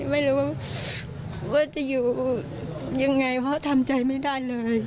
ไม่รู้ว่าจะอยู่ยังไงเพราะทำใจไม่ได้เลย